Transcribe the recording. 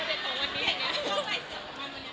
มีบางคนแน่นอนก็ไม่รู้